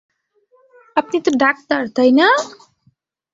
আপনি তো ডাক্তার, তাই না?